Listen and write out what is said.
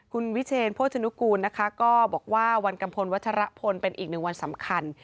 คุณวิเชนโภชนุกูลนะคะก็บอกว่าวันกัมพลวัชรพลเป็นอีกหนึ่งวันสำคัญ